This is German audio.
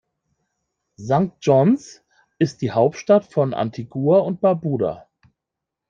St. John’s ist die Hauptstadt von Antigua und Barbuda.